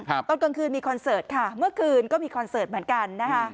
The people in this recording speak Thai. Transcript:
ตอนกลางคืนมีคอนเสิร์ตค่ะเมื่อคืนก็มีคอนเสิร์ตเหมือนกันนะคะ